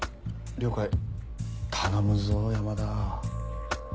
了解頼むぞ山田。